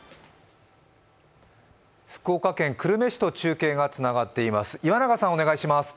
福岡県久留米市と中継がつながっています。